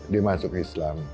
dia masuk islam